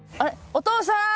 お父さん！